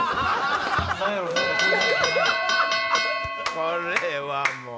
これはもう。